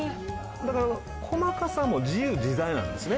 だから細かさも自由自在なんですね。